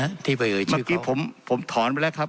กรณีเอ่ยชื่อเนี่ยต้องถอนนะครับ